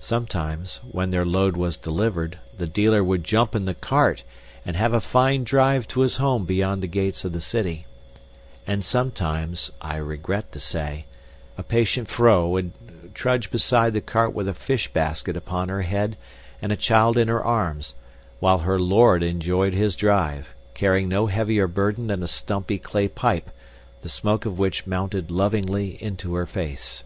Sometimes, when their load was delivered, the dealer would jump in the cart and have a fine drive to his home beyond the gates of the city; and sometimes, I regret to say, a patient vrouw would trudge beside the cart with a fish basket upon her head and a child in her arms while her lord enjoyed his drive, carrying no heavier burden than a stumpy clay pipe, the smoke of which mounted lovingly into her face.